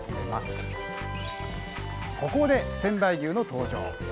ここで仙台牛の登場。